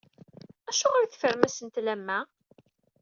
Acuɣer i tefren asentel am wa?